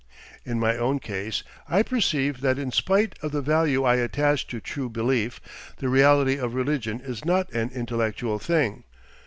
In my own case I perceive that in spite of the value I attach to true belief, the reality of religion is not an intellectual thing.